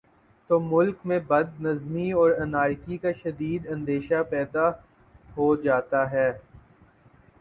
تو ملک میں بد نظمی اور انارکی کا شدید اندیشہ پیدا ہو جاتا ہے